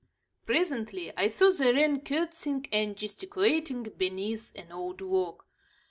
Presently I saw the wren curtsying and gesticulating beneath an old log.